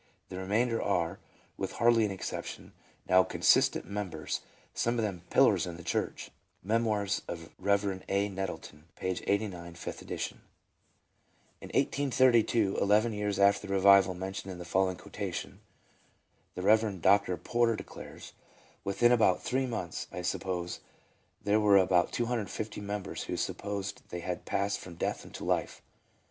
The remainder are, with hardly an exception, now consistent members, — some of them pillars in the church." —" Me moirs of Rev. A. Nettleton," p. 89, 5th ed. In 1832, eleven years after the Revival mentioned in the following quotation, the Rev. Dr. Porter declares : "Within about three months, I suppose there were about 250 members who supposed they had passed from death unto life.